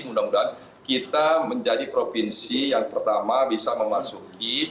mudah mudahan kita menjadi provinsi yang pertama bisa memasuki